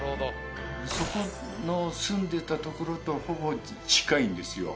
そこの住んでた所とほぼ近いんですよ。